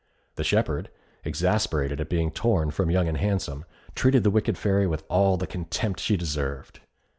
The shepherd, exasperated at being torn from Young and Handsome, treated the wicked Fairy with all the contempt she deserved.